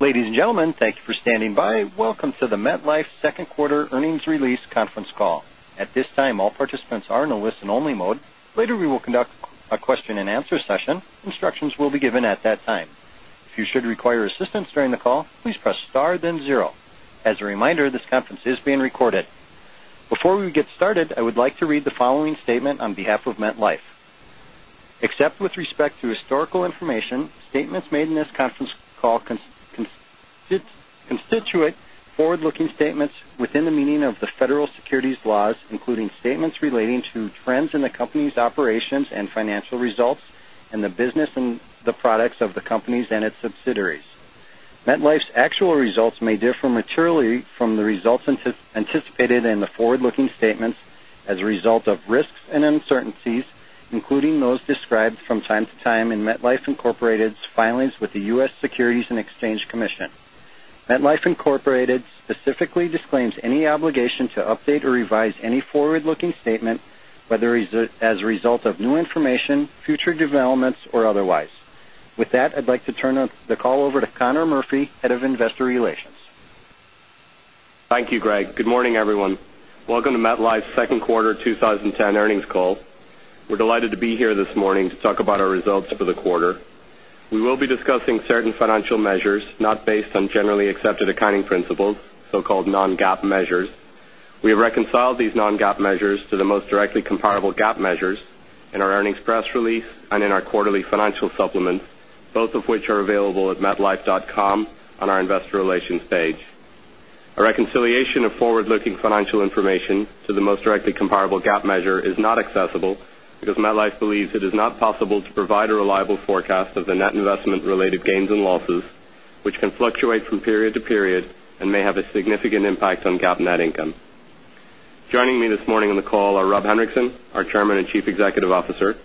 Ladies and gentlemen, thank you for standing by. Welcome to the MetLife second quarter earnings release conference call. At this time, all participants are in a listen-only mode. Later, we will conduct a question-and-answer session. Instructions will be given at that time. If you should require assistance during the call, please press star then 0. As a reminder, this conference is being recorded. Before we get started, I would like to read the following statement on behalf of MetLife. Except with respect to historical information, statements made in this conference call constitute forward-looking statements within the meaning of the Federal securities laws, including statements relating to trends in the company's operations and financial results, and the business and the products of the companies and its subsidiaries. MetLife's actual results may differ materially from the results anticipated in the forward-looking statements as a result of risks and uncertainties, including those described from time to time in MetLife Incorporated's filings with the U.S. Securities and Exchange Commission. MetLife Incorporated specifically disclaims any obligation to update or revise any forward-looking statement, whether as a result of new information, future developments, or otherwise. With that, I'd like to turn the call over to Conor Murphy, Head of Investor Relations. Thank you, Greg. Good morning, everyone. Welcome to MetLife's second quarter 2010 earnings call. We're delighted to be here this morning to talk about our results for the quarter. We will be discussing certain financial measures not based on Generally Accepted Accounting Principles, so-called non-GAAP measures. We have reconciled these non-GAAP measures to the most directly comparable GAAP measures in our earnings press release and in our quarterly financial supplements, both of which are available at metlife.com on our Investor Relations page. A reconciliation of forward-looking financial information to the most directly comparable GAAP measure is not accessible because MetLife believes it is not possible to provide a reliable forecast of the net investment-related gains and losses, which can fluctuate from period to period and may have a significant impact on GAAP net income. Joining me this morning on the call are Rob Henrikson, our Chairman and Chief Executive Officer,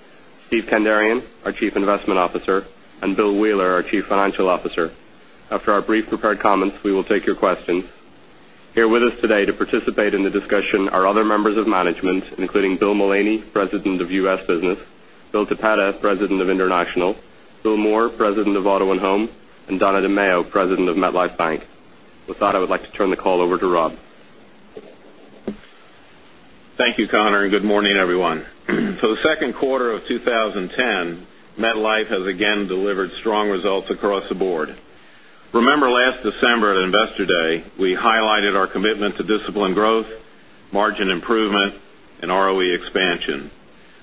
Steve Kandarian, our Chief Investment Officer, and Bill Wheeler, our Chief Financial Officer. After our brief prepared comments, we will take your questions. Here with us today to participate in the discussion are other members of management, including Bill Mullaney, President of U.S. Business, Bill Toppeta, President, International, Bill Moore, President of MetLife Auto & Home, and Donna DeMaio, President of MetLife Bank. With that, I would like to turn the call over to Rob. Thank you, Conor, and good morning, everyone. For the second quarter of 2010, MetLife has again delivered strong results across the board. Remember last December at Investor Day, we highlighted our commitment to disciplined growth, margin improvement, and ROE expansion.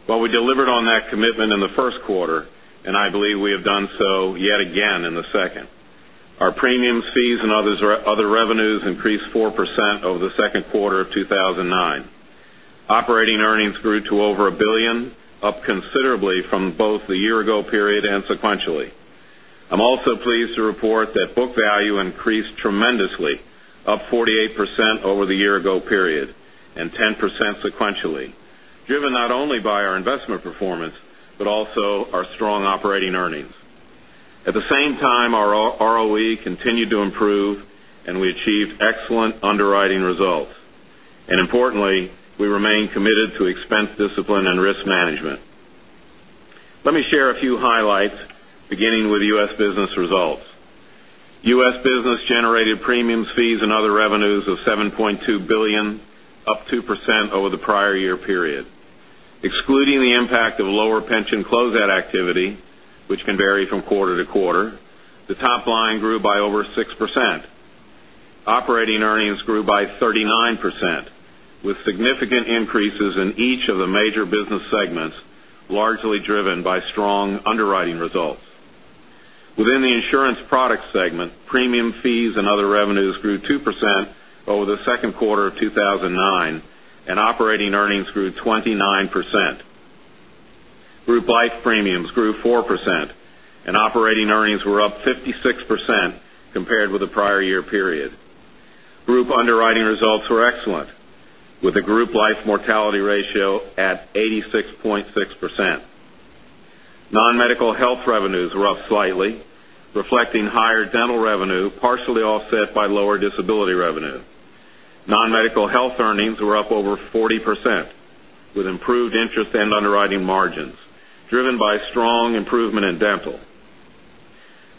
Well, we delivered on that commitment in the first quarter, and I believe we have done so yet again in the second. Our premium fees and other revenues increased 4% over the second quarter of 2009. Operating earnings grew to over $1 billion, up considerably from both the year-ago period and sequentially. I'm also pleased to report that book value increased tremendously, up 48% over the year-ago period and 10% sequentially, driven not only by our investment performance, but also our strong operating earnings. At the same time, our ROE continued to improve and we achieved excellent underwriting results. Importantly, we remain committed to expense discipline and risk management. Let me share a few highlights, beginning with U.S. business results. U.S. business generated premiums, fees, and other revenues of $7.2 billion, up 2% over the prior year period. Excluding the impact of lower pension close-out activity, which can vary from quarter to quarter, the top line grew by over 6%. Operating earnings grew by 39%, with significant increases in each of the major business segments, largely driven by strong underwriting results. Within the insurance product segment, premium fees and other revenues grew 2% over the second quarter of 2009, and operating earnings grew 29%. Group life premiums grew 4% and operating earnings were up 56% compared with the prior year period. Group underwriting results were excellent, with the group life mortality ratio at 86.6%. Non-medical health revenues were up slightly, reflecting higher dental revenue, partially offset by lower disability revenue. Non-medical health earnings were up over 40%, with improved interest and underwriting margins driven by strong improvement in dental.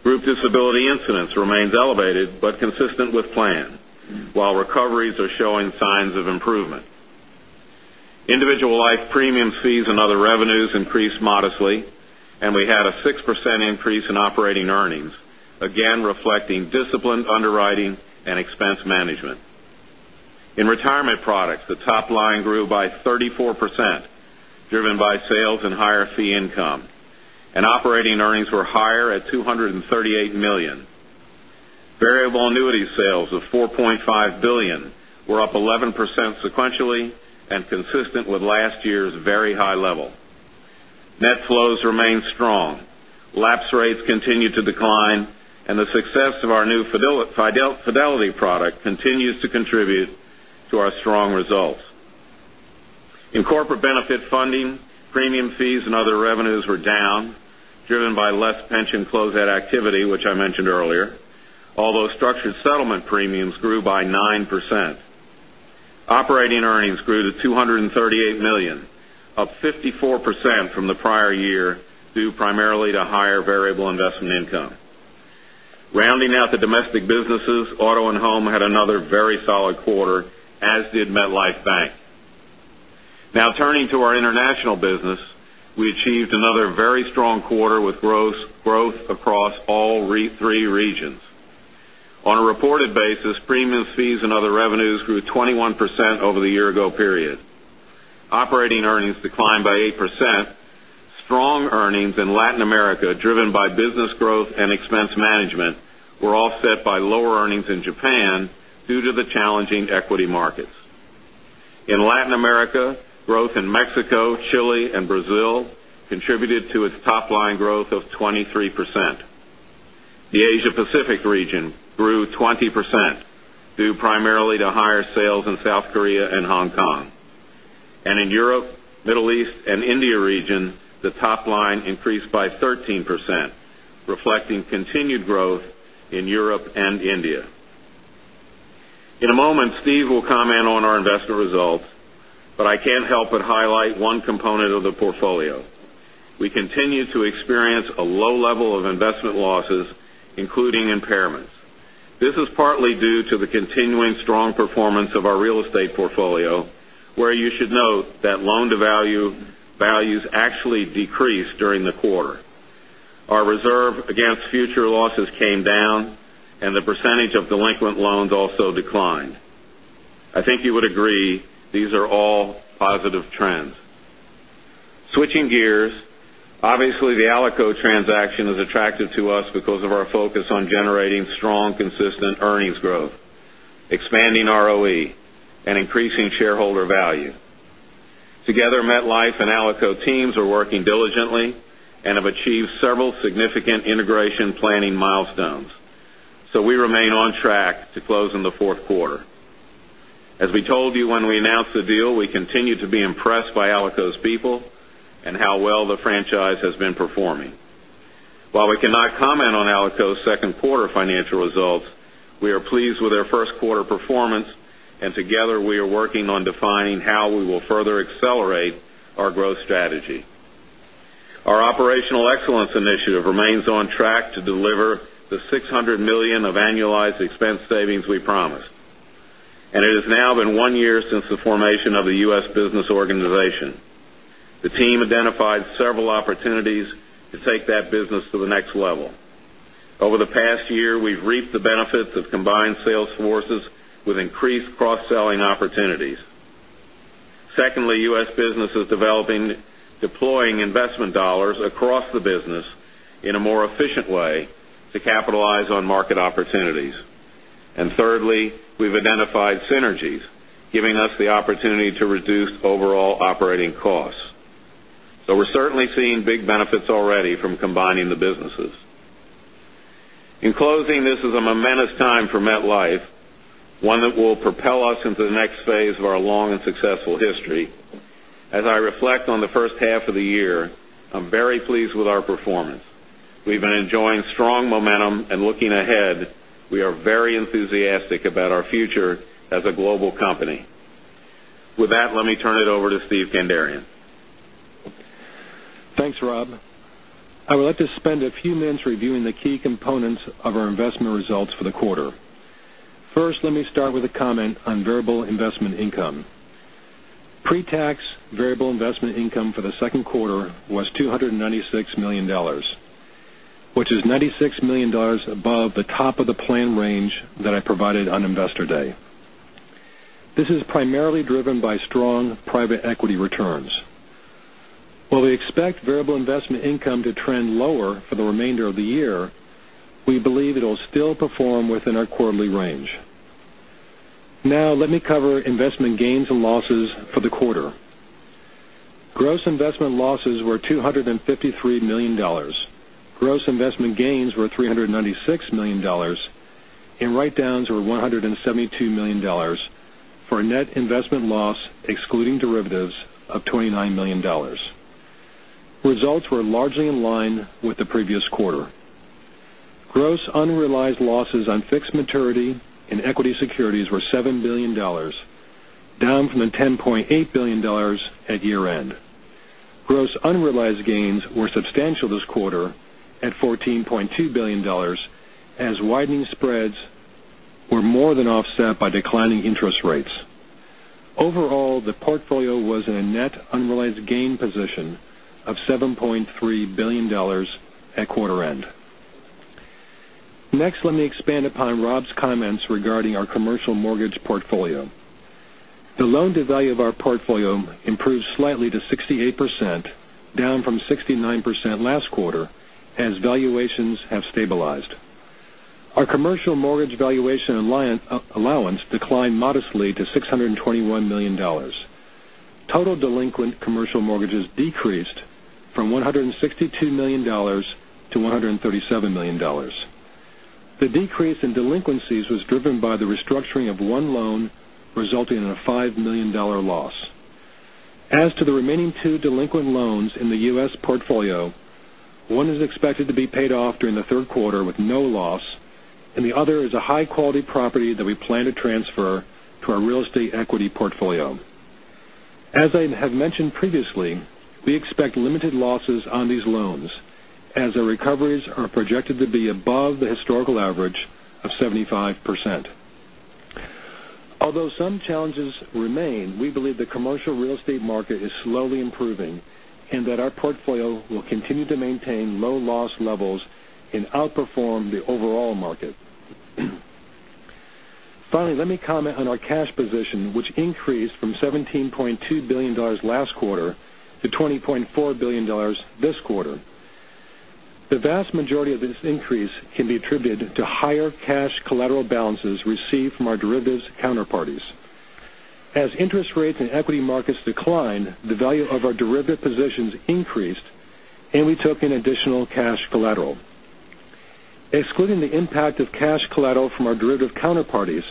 Group disability incidents remains elevated but consistent with plan, while recoveries are showing signs of improvement. Individual life premium fees and other revenues increased modestly, and we had a 6% increase in operating earnings, again reflecting disciplined underwriting and expense management. In retirement products, the top line grew by 34%, driven by sales and higher fee income, and operating earnings were higher at $238 million. Variable annuity sales of $4.5 billion were up 11% sequentially and consistent with last year's very high level. Net flows remain strong. Lapse rates continue to decline, and the success of our new Fidelity product continues to contribute to our strong results. In corporate benefit funding, premium fees and other revenues were down, driven by less pension close-out activity, which I mentioned earlier, although structured settlement premiums grew by 9%. Operating earnings grew to $238 million, up 54% from the prior year, due primarily to higher variable investment income. Rounding out the domestic businesses, auto and home had another very solid quarter, as did MetLife Bank. Turning to our international business, we achieved another very strong quarter with growth across all three regions. On a reported basis, premiums, fees and other revenues grew 21% over the year ago period. Operating earnings declined by 8%. Strong earnings in Latin America, driven by business growth and expense management, were offset by lower earnings in Japan due to the challenging equity markets. In Latin America, growth in Mexico, Chile and Brazil contributed to its top line growth of 23%. The Asia Pacific region grew 20%, due primarily to higher sales in South Korea and Hong Kong. In Europe, Middle East and India region, the top line increased by 13%, reflecting continued growth in Europe and India. In a moment, Steve will comment on our investment results, but I can't help but highlight one component of the portfolio. We continue to experience a low level of investment losses, including impairments. This is partly due to the continuing strong performance of our real estate portfolio, where you should note that loan to values actually decreased during the quarter. Our reserve against future losses came down and the percentage of delinquent loans also declined. I think you would agree these are all positive trends. Switching gears, obviously the Alico transaction is attractive to us because of our focus on generating strong, consistent earnings growth, expanding ROE, and increasing shareholder value. Together, MetLife and Alico teams are working diligently and have achieved several significant integration planning milestones. We remain on track to close in the fourth quarter. As we told you when we announced the deal, we continue to be impressed by Alico's people and how well the franchise has been performing. While we cannot comment on Alico's second quarter financial results, we are pleased with their first quarter performance, and together we are working on defining how we will further accelerate our growth strategy. Our Operational Excellence initiative remains on track to deliver the $600 million of annualized expense savings we promised. It has now been one year since the formation of the U.S. business organization. The team identified several opportunities to take that business to the next level. Over the past year, we've reaped the benefits of combined sales forces with increased cross-selling opportunities. Secondly, U.S. business is deploying investment dollars across the business in a more efficient way to capitalize on market opportunities. Thirdly, we've identified synergies giving us the opportunity to reduce overall operating costs. We're certainly seeing big benefits already from combining the businesses. In closing, this is a momentous time for MetLife, one that will propel us into the next phase of our long and successful history. As I reflect on the first half of the year, I'm very pleased with our performance. We've been enjoying strong momentum and looking ahead, we are very enthusiastic about our future as a global company. With that, let me turn it over to Steve Kandarian. Thanks, Rob. I would like to spend a few minutes reviewing the key components of our investment results for the quarter. First, let me start with a comment on variable investment income. Pre-tax variable investment income for the second quarter was $296 million, which is $96 million above the top of the plan range that I provided on Investor Day. This is primarily driven by strong private equity returns. While we expect variable investment income to trend lower for the remainder of the year, we believe it'll still perform within our quarterly range. Now let me cover investment gains and losses for the quarter. Gross investment losses were $253 million. Gross investment gains were $396 million, and write-downs were $172 million. For a net investment loss excluding derivatives of $29 million. Results were largely in line with the previous quarter. Gross unrealized losses on fixed maturity and equity securities were $7 billion, down from the $10.8 billion at year-end. Gross unrealized gains were substantial this quarter at $14.2 billion, as widening spreads were more than offset by declining interest rates. Overall, the portfolio was in a net unrealized gain position of $7.3 billion at quarter end. Next, let me expand upon Rob's comments regarding our commercial mortgage portfolio. The loan to value of our portfolio improved slightly to 68%, down from 69% last quarter, as valuations have stabilized. Our commercial mortgage valuation allowance declined modestly to $621 million. Total delinquent commercial mortgages decreased from $162 million to $137 million. The decrease in delinquencies was driven by the restructuring of one loan, resulting in a $5 million loss. As to the remaining two delinquent loans in the U.S. portfolio, one is expected to be paid off during the third quarter with no loss, and the other is a high-quality property that we plan to transfer to our real estate equity portfolio. As I have mentioned previously, we expect limited losses on these loans, as the recoveries are projected to be above the historical average of 75%. Although some challenges remain, we believe the commercial real estate market is slowly improving, and that our portfolio will continue to maintain low loss levels and outperform the overall market. Let me comment on our cash position, which increased from $17.2 billion last quarter to $20.4 billion this quarter. The vast majority of this increase can be attributed to higher cash collateral balances received from our derivatives counterparties. As interest rates and equity markets decline, the value of our derivative positions increased, and we took in additional cash collateral. Excluding the impact of cash collateral from our derivative counterparties,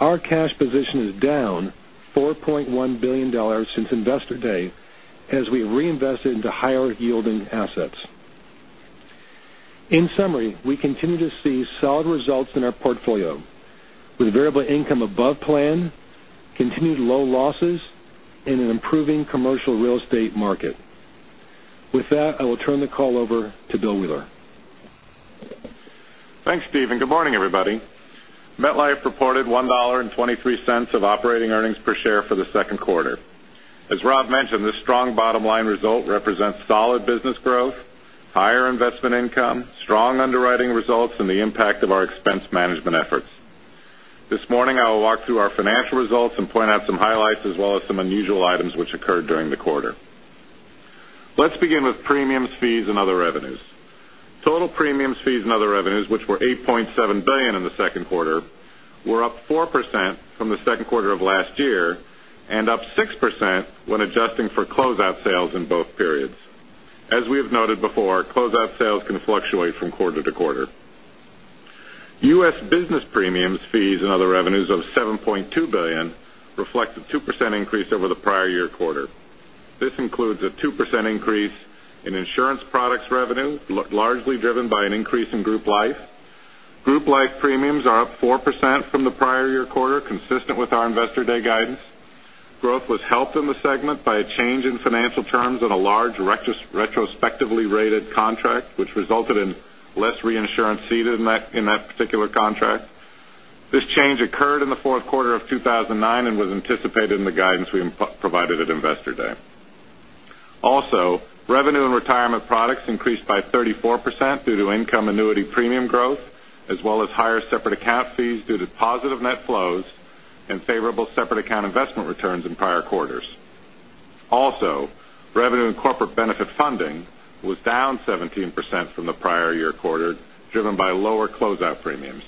our cash position is down $4.1 billion since Investor Day, as we reinvested into higher yielding assets. In summary, we continue to see solid results in our portfolio, with variable income above plan, continued low losses, and an improving commercial real estate market. With that, I will turn the call over to Bill Wheeler. Thanks, Steve, and good morning, everybody. MetLife reported $1.23 of operating earnings per share for the second quarter. As Rob mentioned, this strong bottom-line result represents solid business growth, higher investment income, strong underwriting results, and the impact of our expense management efforts. This morning, I will walk through our financial results and point out some highlights, as well as some unusual items which occurred during the quarter. Let's begin with premiums, fees, and other revenues. Total premiums, fees, and other revenues, which were $8.7 billion in the second quarter, were up 4% from the second quarter of last year, and up 6% when adjusting for closeout sales in both periods. As we have noted before, closeout sales can fluctuate from quarter to quarter. U.S. business premiums, fees, and other revenues of $7.2 billion reflect a 2% increase over the prior year quarter. This includes a 2% increase in insurance products revenue, largely driven by an increase in group life. Group life premiums are up 4% from the prior year quarter, consistent with our Investor Day guidance. Growth was helped in the segment by a change in financial terms on a large retrospectively rated contract, which resulted in less reinsurance ceded in that particular contract. This change occurred in the fourth quarter of 2009 and was anticipated in the guidance we provided at Investor Day. Revenue and retirement products increased by 34% due to income annuity premium growth, as well as higher separate account fees due to positive net flows and favorable separate account investment returns in prior quarters. Revenue and corporate benefit funding was down 17% from the prior year quarter, driven by lower closeout premiums.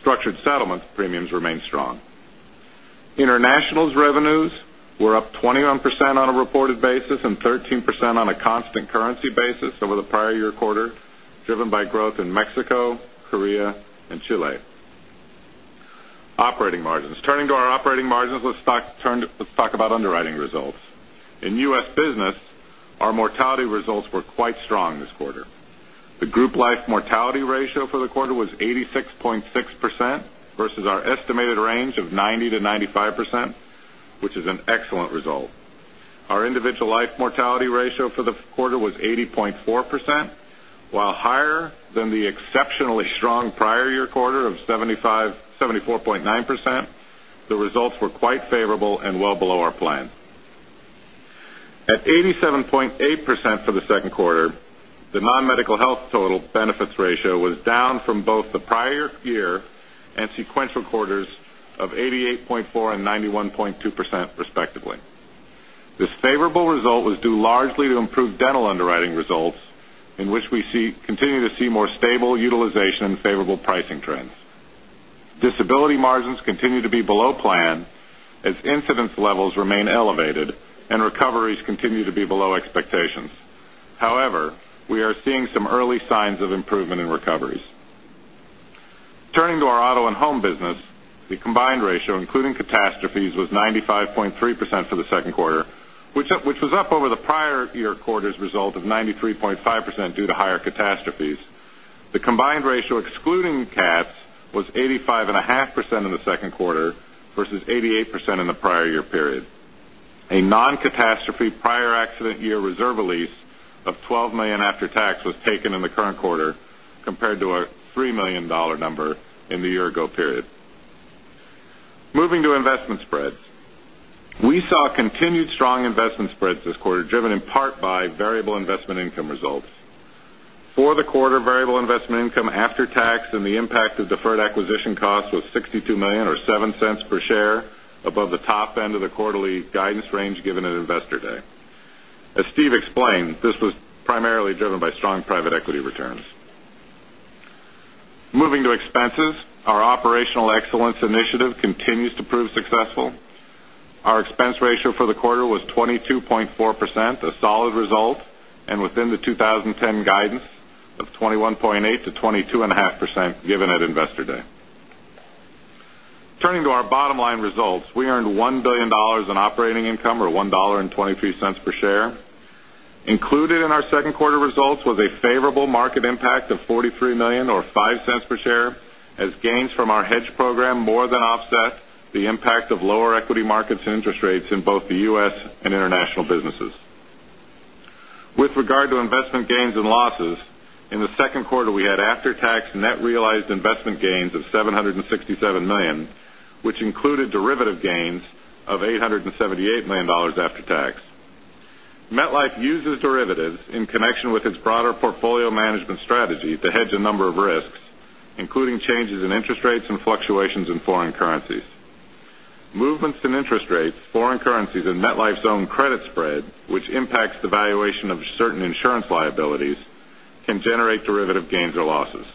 Structured settlement premiums remained strong. International's revenues were up 21% on a reported basis and 13% on a constant currency basis over the prior year quarter, driven by growth in Mexico, Korea, and Chile. Operating margins. Turning to our operating margins, let's talk about underwriting results. In U.S. business, our mortality results were quite strong this quarter. The group life mortality ratio for the quarter was 86.6% versus our estimated range of 90%-95%, which is an excellent result. Our individual life mortality ratio for the quarter was 80.4%, while higher than the exceptionally strong prior year quarter of 74.9%, the results were quite favorable and well below our plan. At 87.8% for the second quarter, the non-medical health total benefits ratio was down from both the prior year and sequential quarters of 88.4% and 91.2%, respectively. This favorable result was due largely to improved dental underwriting results, in which we continue to see more stable utilization and favorable pricing trends. Disability margins continue to be below plan as incidence levels remain elevated and recoveries continue to be below expectations. However, we are seeing some early signs of improvement in recoveries. Turning to our auto and home business, the combined ratio, including catastrophes, was 95.3% for the second quarter, which was up over the prior year quarter's result of 93.5% due to higher catastrophes. The combined ratio excluding cats was 85.5% in the second quarter versus 88% in the prior year period. A non-catastrophe prior accident year reserve release of $12 million after tax was taken in the current quarter compared to a $3 million number in the year ago period. Moving to investment spreads. We saw continued strong investment spreads this quarter, driven in part by variable investment income results. For the quarter, variable investment income after tax and the impact of deferred acquisition costs was $62 million or $0.07 above the top end of the quarterly guidance range given at Investor Day. As Steve explained, this was primarily driven by strong private equity returns. Moving to expenses. Our Operational Excellence initiative continues to prove successful. Our expense ratio for the quarter was 22.4%, a solid result, and within the 2010 guidance of 21.8%-22.5% given at Investor Day. Turning to our bottom line results, we earned $1 billion in operating income, or $1.23 per share. Included in our second quarter results was a favorable market impact of $43 million, or $0.05 per share, as gains from our hedge program more than offset the impact of lower equity markets and interest rates in both the U.S. and international businesses. With regard to investment gains and losses, in the second quarter, we had after-tax net realized investment gains of $767 million, which included derivative gains of $878 million after tax. MetLife uses derivatives in connection with its broader portfolio management strategy to hedge a number of risks, including changes in interest rates and fluctuations in foreign currencies. Movements in interest rates, foreign currencies in MetLife's own credit spread, which impacts the valuation of certain insurance liabilities, can generate derivative gains or losses.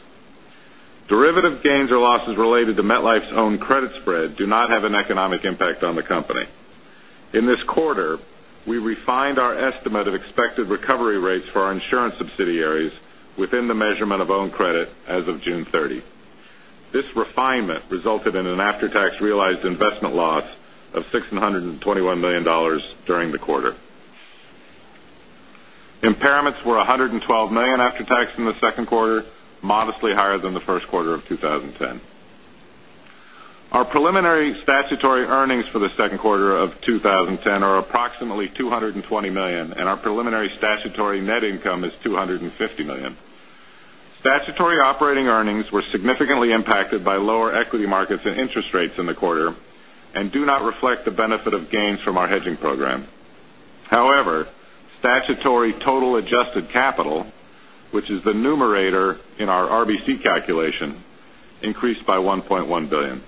Derivative gains or losses related to MetLife's own credit spread do not have an economic impact on the company. In this quarter, we refined our estimate of expected recovery rates for our insurance subsidiaries within the measurement of own credit as of June 30. This refinement resulted in an after-tax realized investment loss of $621 million during the quarter. Impairments were $112 million after tax in the second quarter, modestly higher than the first quarter of 2010. Our preliminary statutory earnings for the second quarter of 2010 are approximately $220 million, and our preliminary statutory net income is $250 million. Statutory operating earnings were significantly impacted by lower equity markets and interest rates in the quarter and do not reflect the benefit of gains from our hedging program. Statutory total adjusted capital, which is the numerator in our RBC calculation, increased by $1.1 billion.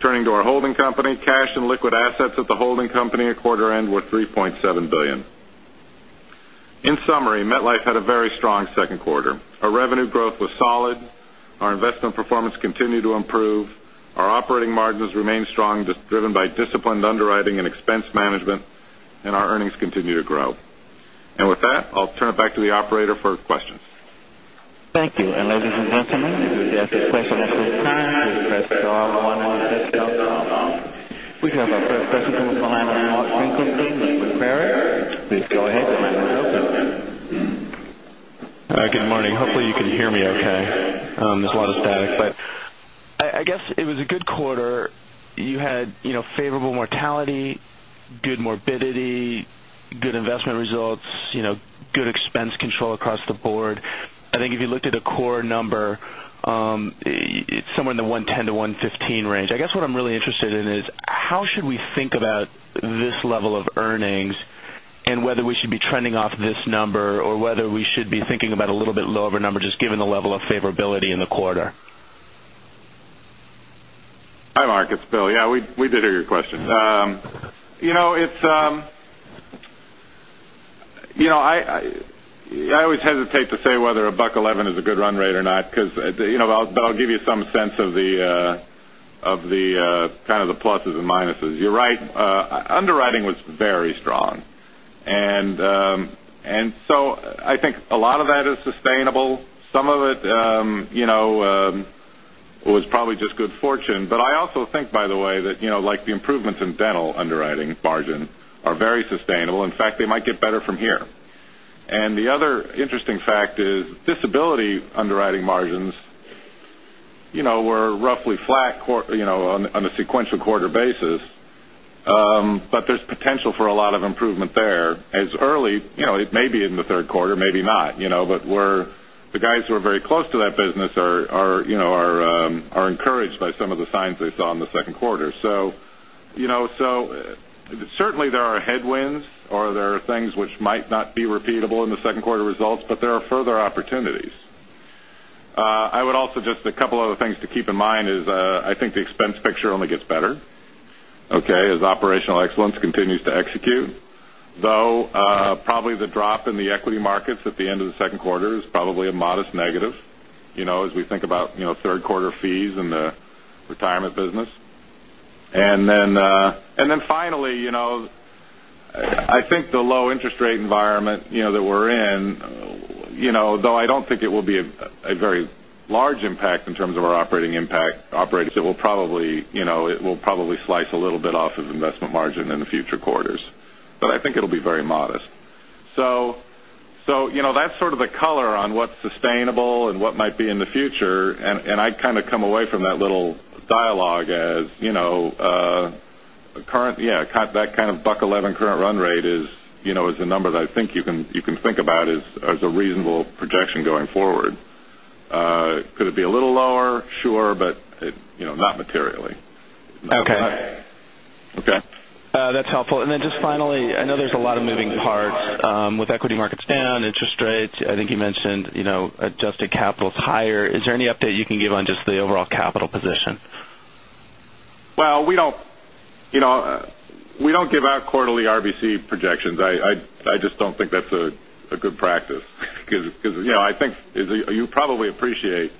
Turning to our holding company, cash and liquid assets at the holding company at quarter end were $3.7 billion. In summary, MetLife had a very strong second quarter. Our revenue growth was solid, our investment performance continued to improve, our operating margins remained strong, driven by disciplined underwriting and expense management, and our earnings continue to grow. With that, I'll turn it back to the operator for questions. Thank you. Ladies and gentlemen, with your questions at this time, please press star one on your touchtone phone. We do have our first question from the line of Mark Finely, Bank of America. Please go ahead. Your line is open. Good morning. Hopefully, you can hear me okay. There's a lot of static. I guess it was a good quarter. You had favorable mortality, good morbidity, good investment results, good expense control across the board. I think if you looked at the core number, it's somewhere in the $1.10 to $1.15 range. I guess what I'm really interested in is how should we think about this level of earnings and whether we should be trending off this number, or whether we should be thinking about a little bit lower of a number, just given the level of favorability in the quarter? Hi, Mark. It's Bill. Yeah, we did hear your question. I always hesitate to say whether $1.11 is a good run rate or not because that'll give you some sense of the pluses and minuses. You're right, underwriting was very strong, I think a lot of that is sustainable. Some of it was probably just good fortune. I also think, by the way, that the improvements in dental underwriting margin are very sustainable. In fact, they might get better from here. The other interesting fact is disability underwriting margins were roughly flat on a sequential quarter basis, but there's potential for a lot of improvement there as early maybe in the third quarter, maybe not. The guys who are very close to that business are encouraged by some of the signs they saw in the second quarter. Certainly there are headwinds or there are things which might not be repeatable in the second quarter results, but there are further opportunities. I would also just a couple other things to keep in mind is I think the expense picture only gets better, okay, as Operational Excellence continues to execute, though probably the drop in the equity markets at the end of the second quarter is probably a modest negative as we think about third quarter fees in the retirement business. Finally, I think the low interest rate environment that we're in, though I don't think it will be a very large impact in terms of our operating impact, it will probably slice a little bit off of investment margin in the future quarters. I think it'll be very modest. That's sort of the color on what's sustainable and what might be in the future. I kind of come away from that little dialogue as that kind of $1.11 current run rate is a number that I think you can think about as a reasonable projection going forward. Could it be a little lower? Sure. Not materially. Okay. Okay. That's helpful. Just finally, I know there's a lot of moving parts with equity markets down, interest rates, I think you mentioned adjusted capital is higher. Is there any update you can give on just the overall capital position? Well, we don't give out quarterly RBC projections. I just don't think that's a good practice because I think you probably appreciate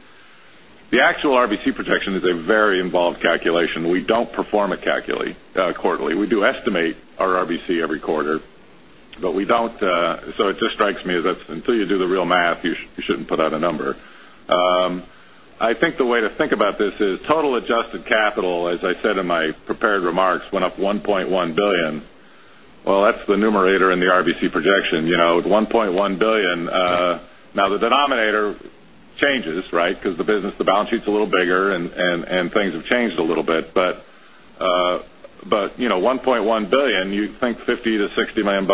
the actual RBC projection is a very involved calculation. We don't perform it quarterly. We do estimate our RBC every quarter We don't. It just strikes me as, until you do the real math, you shouldn't put out a number. I think the way to think about this is total adjusted capital, as I said in my prepared remarks, went up $1.1 billion. Well, that's the numerator in the RBC projection, the $1.1 billion. The denominator changes because the balance sheet's a little bigger, and things have changed a little bit. $1.1 billion, you'd think $50 million to $60 million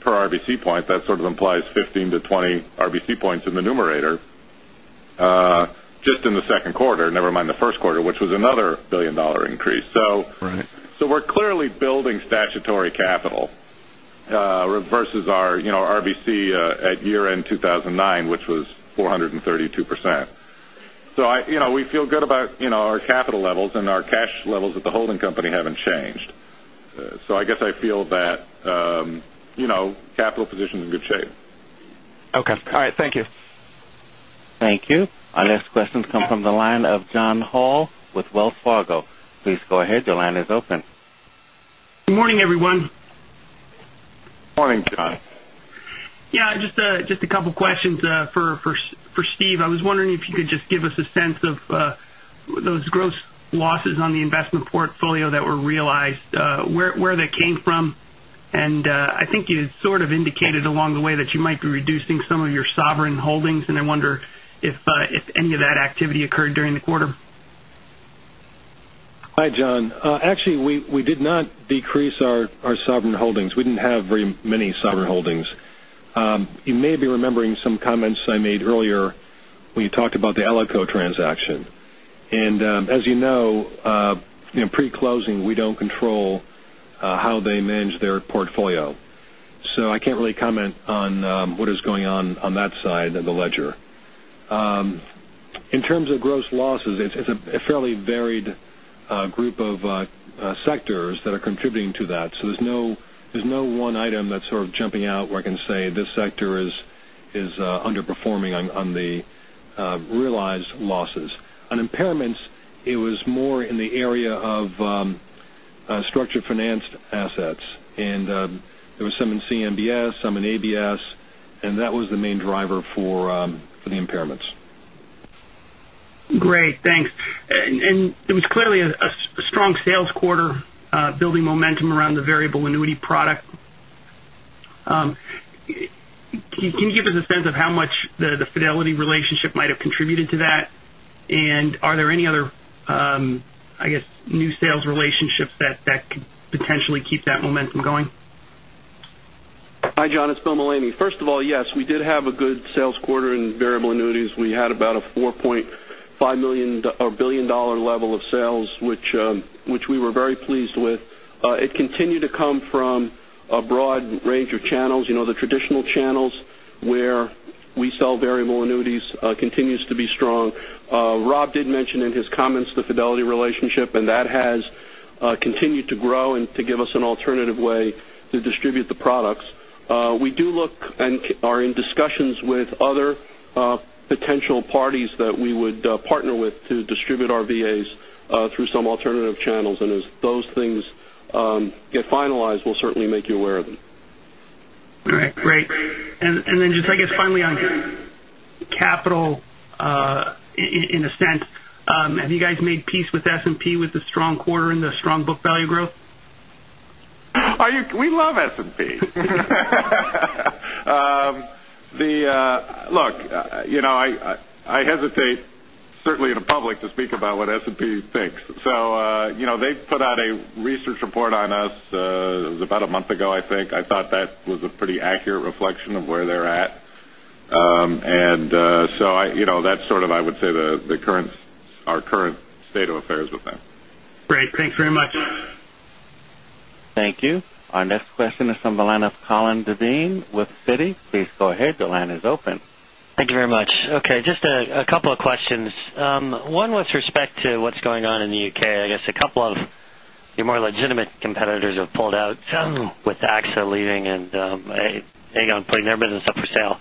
per RBC point, that sort of implies 15 to 20 RBC points in the numerator just in the second quarter, never mind the first quarter, which was another billion-dollar increase. Right. We're clearly building statutory capital versus our RBC at year-end 2009, which was 432%. We feel good about our capital levels, and our cash levels at the holding company haven't changed. I guess I feel that capital position is in good shape. Okay. All right. Thank you. Thank you. Our next questions come from the line of John Hall with Wells Fargo. Please go ahead. Your line is open. Good morning, everyone. Morning, John. Yeah, just a couple of questions for Steve. I was wondering if you could just give us a sense of those gross losses on the investment portfolio that were realized, where they came from, and I think you sort of indicated along the way that you might be reducing some of your sovereign holdings, and I wonder if any of that activity occurred during the quarter. Hi, John. Actually, we did not decrease our sovereign holdings. We didn't have very many sovereign holdings. You may be remembering some comments I made earlier when you talked about the Alico transaction. As you know, pre-closing, we don't control how they manage their portfolio. I can't really comment on what is going on that side of the ledger. In terms of gross losses, it's a fairly varied group of sectors that are contributing to that. There's no one item that's sort of jumping out where I can say this sector is underperforming on the realized losses. On impairments, it was more in the area of structured financed assets. There was some in CMBS, some in ABS, and that was the main driver for the impairments. Great. Thanks. It was clearly a strong sales quarter building momentum around the variable annuity product. Can you give us a sense of how much the Fidelity relationship might have contributed to that? Are there any other new sales relationships that could potentially keep that momentum going? Hi, John. It's Bill Mullaney. First of all, yes, we did have a good sales quarter in variable annuities. We had about a $4.5 billion level of sales, which we were very pleased with. It continued to come from a broad range of channels. The traditional channels where we sell variable annuities continues to be strong. Rob did mention in his comments the Fidelity relationship, and that has continued to grow and to give us an alternative way to distribute the products. We do look and are in discussions with other potential parties that we would partner with to distribute our VAs through some alternative channels. As those things get finalized, we'll certainly make you aware of them. All right, great. Just I guess finally on capital, in a sense, have you guys made peace with S&P with the strong quarter and the strong book value growth? We love S&P. Look, I hesitate, certainly in a public, to speak about what S&P thinks. They put out a research report on us. It was about a month ago, I think. I thought that was a pretty accurate reflection of where they're at. That's sort of, I would say our current state of affairs with them. Great. Thanks very much. Thank you. Our next question is from the line of Colin Devine with Citi. Please go ahead. Your line is open. Thank you very much. Okay, just a couple of questions. One with respect to what's going on in the U.K. I guess a couple of your more legitimate competitors have pulled out with AXA leaving and Aegon putting their business up for sale.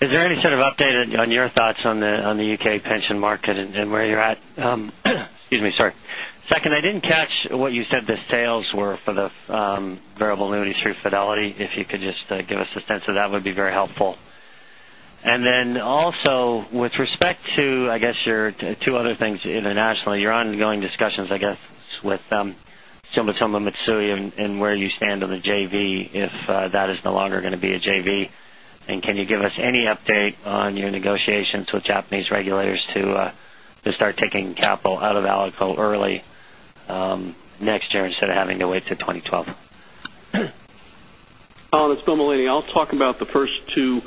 Is there any sort of update on your thoughts on the U.K. pension market and where you're at? Excuse me. Sorry. Second, I didn't catch what you said the sales were for the variable annuities through Fidelity. If you could just give us a sense of that would be very helpful. Also with respect to, I guess your two other things internationally, your ongoing discussions, I guess, with Sompo Japan Nipponkoa and where you stand on the JV, if that is no longer going to be a JV. Can you give us any update on your negotiations with Japanese regulators to start taking capital out of Alico early next year instead of having to wait till 2012? Colin, it's Bill Mullaney. I'll talk about the first two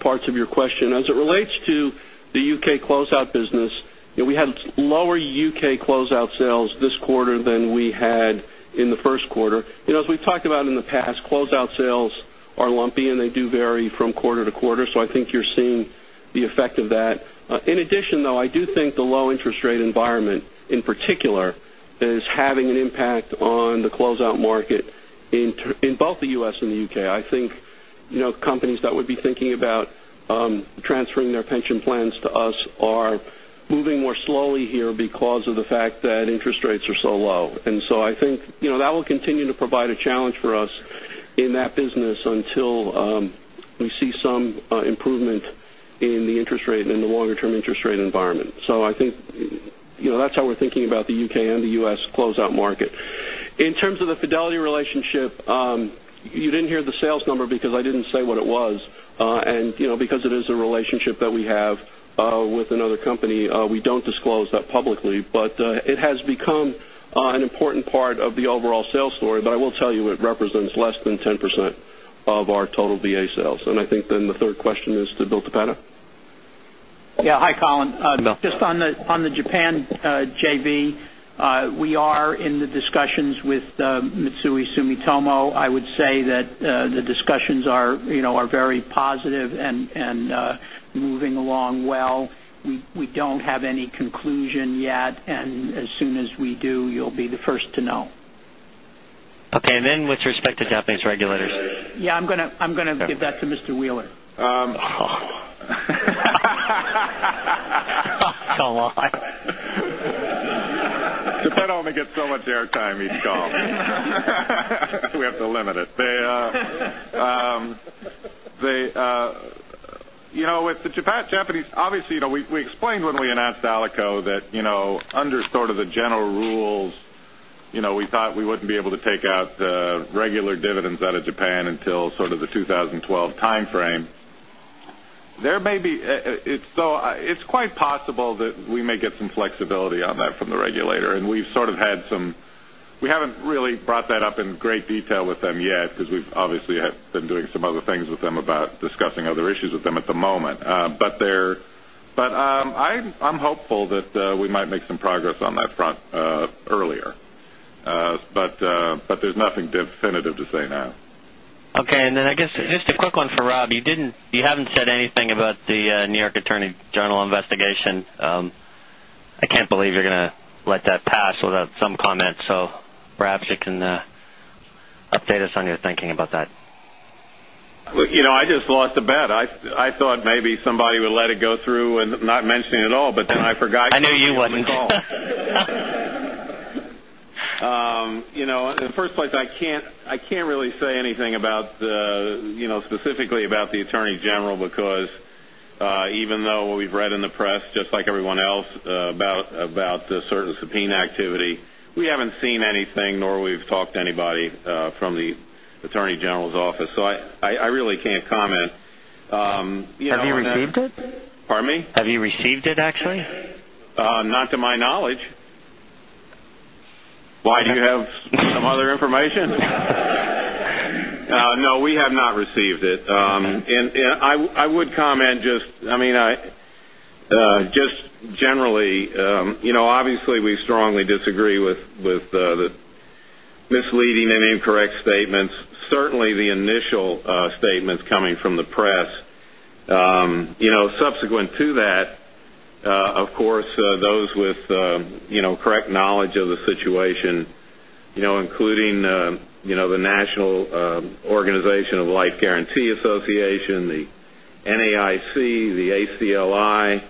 parts of your question. As it relates to the U.K. closeout business, we had lower U.K. closeout sales this quarter than we had in the first quarter. As we've talked about in the past, closeout sales are lumpy, and they do vary from quarter to quarter. I think you're seeing the effect of that. In addition, though, I do think the low interest rate environment, in particular, is having an impact on the closeout market in both the U.S. and the U.K. Companies that would be thinking about transferring their pension plans to us are moving more slowly here because of the fact that interest rates are so low. I think that will continue to provide a challenge for us in that business until we see some improvement in the interest rate and in the longer-term interest rate environment. I think that's how we're thinking about the U.K. and the U.S. closeout market. In terms of the Fidelity relationship, you didn't hear the sales number because I didn't say what it was. Because it is a relationship that we have with another company, we don't disclose that publicly. It has become an important part of the overall sales story. I will tell you, it represents less than 10% of our total VA sales. I think then the third question is to Bill Toppeta. Yeah. Hi, Colin. Bill. Just on the Japan JV, we are in the discussions with Mitsui Sumitomo. I would say that the discussions are very positive and moving along well. We don't have any conclusion yet, and as soon as we do, you'll be the first to know. Okay. Then with respect to Japanese regulators. Yeah, I'm going to give that to Mr. Wheeler. Come on. Come on. The Fed only gets so much air time each call. We have to limit it. With the Japanese, obviously, we explained when we announced Alico that under sort of the general rules, we thought we wouldn't be able to take out regular dividends out of Japan until sort of the 2012 timeframe. It's quite possible that we may get some flexibility on that from the regulator. We haven't really brought that up in great detail with them yet because we've obviously have been doing some other things with them about discussing other issues with them at the moment. I'm hopeful that we might make some progress on that front earlier. There's nothing definitive to say now. Okay. I guess just a quick one for Rob. You haven't said anything about the New York Attorney General investigation. I can't believe you're going to let that pass without some comment. Perhaps you can update us on your thinking about that. I just lost a bet. I thought maybe somebody would let it go through and not mention it at all. I forgot- I knew you wouldn't. You were on the call. In the first place, I can't really say anything specifically about the Attorney General because even though we've read in the press, just like everyone else, about the certain subpoena activity, we haven't seen anything, nor we've talked to anybody from the Attorney General's office. I really can't comment. Have you received it? Pardon me. Have you received it, actually? Not to my knowledge. Why? Do you have some other information? No, we have not received it. Okay. I would comment just generally. Obviously, we strongly disagree with the misleading and incorrect statements, certainly the initial statements coming from the press. Subsequent to that, of course, those with correct knowledge of the situation including the National Organization of Life Guaranty Association, the NAIC, the ACLI,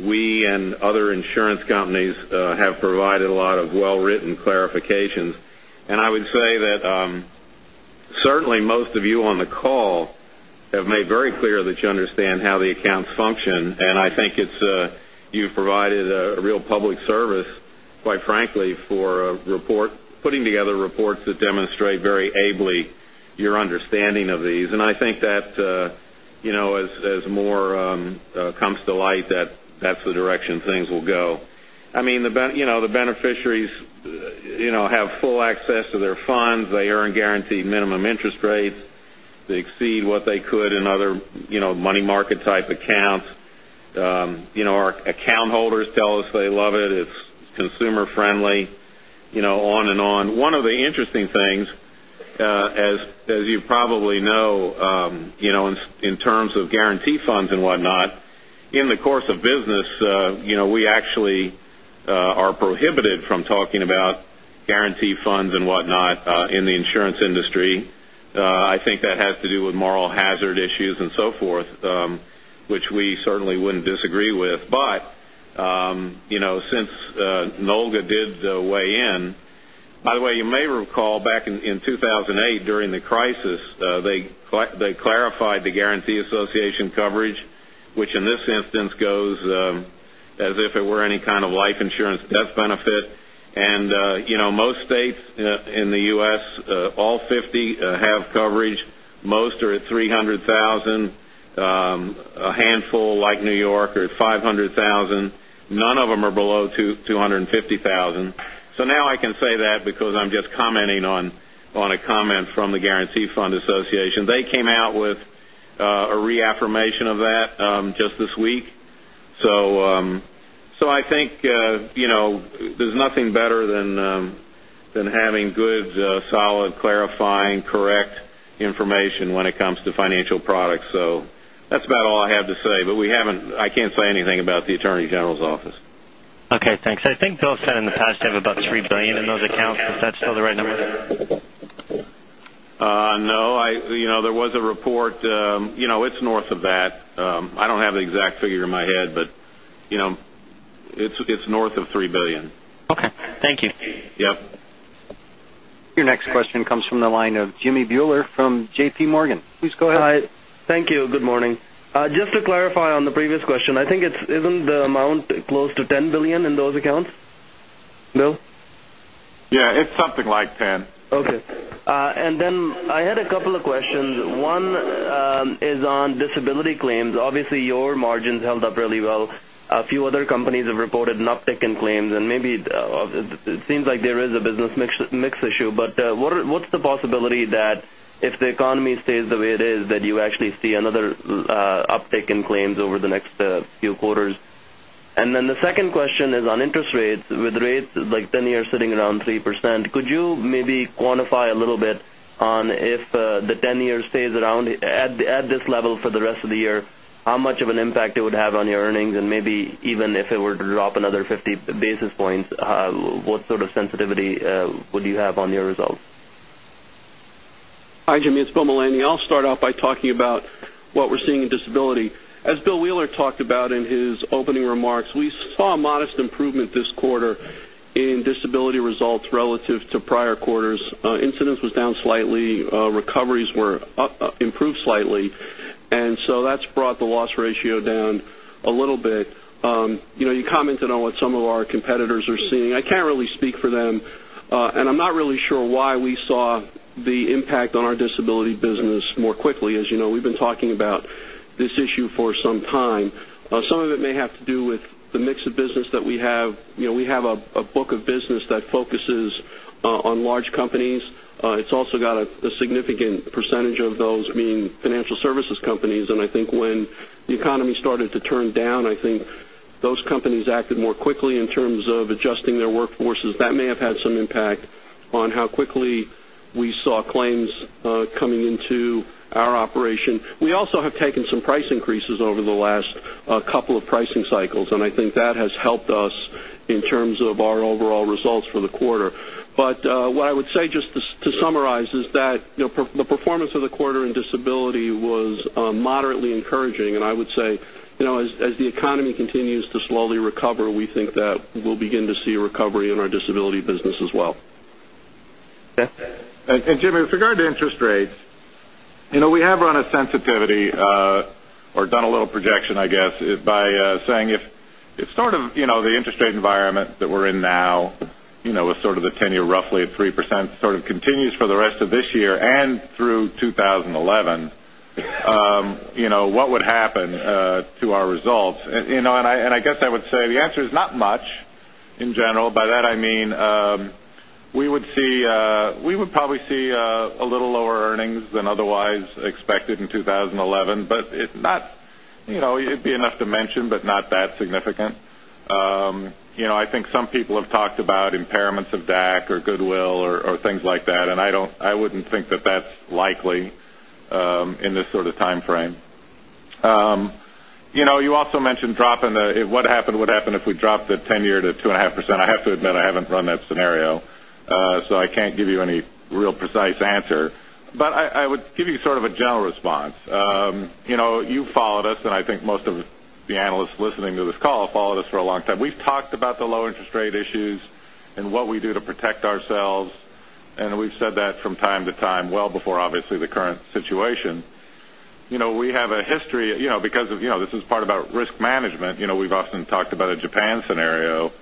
we and other insurance companies have provided a lot of well-written clarifications. I would say that certainly most of you on the call have made very clear that you understand how the accounts function, and I think you've provided a real public service, quite frankly, for putting together reports that demonstrate very ably your understanding of these. I think that as more comes to light, that's the direction things will go. The beneficiaries have full access to their funds. They earn guaranteed minimum interest rates. They exceed what they could in other money market-type accounts. Our account holders tell us they love it. It's consumer friendly, on and on. One of the interesting things as you probably know in terms of guaranty funds and whatnot, in the course of business we actually are prohibited from talking about guaranty funds and whatnot in the insurance industry. I think that has to do with moral hazard issues and so forth which we certainly wouldn't disagree with. Since NOLGA did weigh in, by the way, you may recall back in 2008 during the crisis, they clarified the guaranty association coverage, which in this instance goes as if it were any kind of life insurance death benefit. Most states in the U.S., all 50 have coverage. Most are at $300,000. A handful like New York are at $500,000. None of them are below $250,000. Now I can say that because I'm just commenting on a comment from the Guarantee Fund Association. They came out with a reaffirmation of that just this week. I think there's nothing better than having good, solid, clarifying, correct information when it comes to financial products. That's about all I have to say, but I can't say anything about the Attorney General's office. Okay, thanks. I think Bill said in the past you have about $3 billion in those accounts. Is that still the right number? No. There was a report. It's north of that. I don't have the exact figure in my head, but it's north of $3 billion. Okay. Thank you. Yes. Your next question comes from the line of Jamminder Bhullar from J.P. Morgan. Please go ahead. Hi. Thank you. Good morning. Just to clarify on the previous question, I think isn't the amount close to $10 billion in those accounts, Bill? Yeah. It's something like $10. Okay. I had a couple of questions. One is on disability claims. Obviously, your margins held up really well. A few other companies have reported an uptick in claims, and maybe it seems like there is a business mix issue, but what's the possibility that if the economy stays the way it is, that you actually see another uptick in claims over the next few quarters? The second question is on interest rates. With rates like 10-year sitting around 3%, could you maybe quantify a little bit on if the 10-year stays around at this level for the rest of the year, how much of an impact it would have on your earnings? Maybe even if it were to drop another 50 basis points, what sort of sensitivity would you have on your results? Hi, Jimmy. It's Bill Mullaney. I'll start off by talking about what we're seeing in disability. As Bill Wheeler talked about in his opening remarks, we saw a modest improvement this quarter in disability results relative to prior quarters. Incidence was down slightly. Recoveries improved slightly. That's brought the loss ratio down a little bit. You commented on what some of our competitors are seeing. I can't really speak for them, and I'm not really sure why we saw the impact on our disability business more quickly. As you know, we've been talking about this issue for some time. Some of it may have to do with the mix of business that we have. We have a book of business that focuses on large companies. It's also got a significant percentage of those being financial services companies. I think when the economy started to turn down, I think those companies acted more quickly in terms of adjusting their workforces. That may have had some impact on how quickly we saw claims coming into our operation. We also have taken some price increases over the last couple of pricing cycles. I think that has helped us in terms of our overall results for the quarter. What I would say just to summarize is that the performance of the quarter in disability was moderately encouraging. I would say as the economy continues to slowly recover, we think that we'll begin to see a recovery in our disability business as well. Okay. Jimmy, with regard to interest rates, we have run a sensitivity, or done a little projection, I guess, by saying if sort of the interest rate environment that we're in now with sort of the 10-year roughly at 3% sort of continues for the rest of this year and through 2011, what would happen to our results? I guess I would say the answer is not much in general. By that I mean we would probably see a little lower earnings than otherwise expected in 2011, but it'd be enough to mention, but not that significant. I think some people have talked about impairments of DAC or goodwill or things like that. I wouldn't think that that's likely in this sort of timeframe. You also mentioned what'd happen if we dropped the 10-year to 2.5%? I have to admit I haven't run that scenario, so I can't give you any real precise answer. I would give you sort of a general response. You've followed us. I think most of the analysts listening to this call have followed us for a long time. We've talked about the low interest rate issues and what we do to protect ourselves. We've said that from time to time, well before, obviously, the current situation. We have a history because this is part about risk management. We've often talked about a Japan scenario